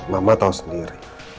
mama tau sendiri